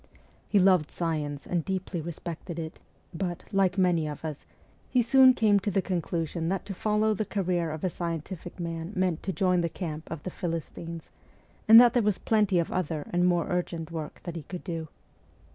He loved science and deeply respected it, but, like many of us, he soon came to the conclusion that to follow the career of a scientific man meant to join the camp of the Philistines, and that there was plenty of other and more urgent work that he could do.